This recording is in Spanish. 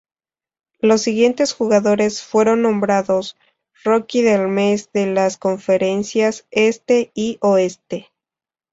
Los siguientes jugadores fueron nombrados Rookie del Mes de las Conferencias Este y Oeste.